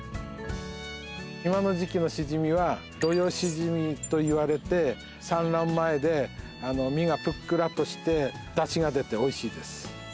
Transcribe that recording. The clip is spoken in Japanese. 今の時期のシジミは土用シジミと言われて産卵前で身がぷっくらとしてダシが出ておいしいです